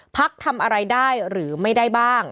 พักทำอะไรได้หรือไม่ได้บ้าง